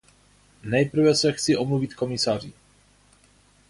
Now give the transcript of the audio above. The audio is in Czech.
Nejprve se chci omluvit komisaři.